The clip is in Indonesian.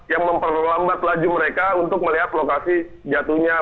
yang memperlambat laju mereka untuk melihat lokasi jatuhnya